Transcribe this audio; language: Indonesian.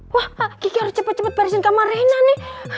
wah kiki harus cepet cepet barisin kamar raina nih